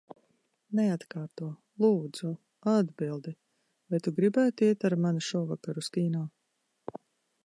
Neatkārto, lūdzu, atbildi. Vai tu gribētu iet ar mani šovakar uz kino?